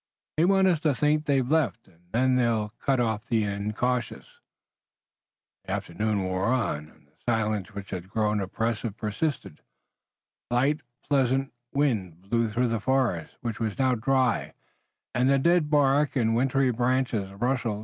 They want us to think they've left, and then they'll cut off the incautious." The afternoon wore on, and the silence which had grown oppressive persisted. A light pleasant wind blew through the forest, which was now dry, and the dead bark and wintry branches rustled.